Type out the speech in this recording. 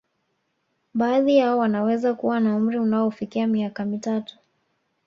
Baadhi yao wanaweza kuwa na umri unaofikia miaka mitatu